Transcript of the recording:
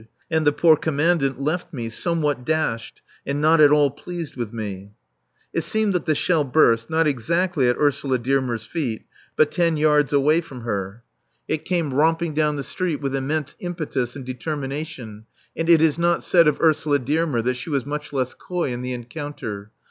And the poor Commandant left me, somewhat dashed, and not at all pleased with me. It seems that the shell burst, not exactly at Ursula Dearmer's feet, but ten yards away from her. It came romping down the street with immense impetus and determination; and it is not said of Ursula Dearmer that she was much less coy in the encounter.